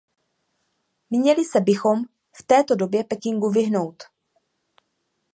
Měli se bychom v této době Pekingu vyhnout.